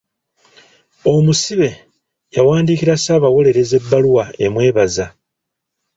Omusibe yawandiikira ssaabawolereza ebbaluwa emwebaza.